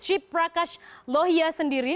sri prakash lohia sendiri